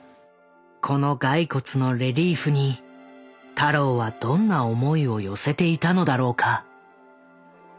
この骸骨のレリーフに太郎はどんな思いを寄せていたのだろうか。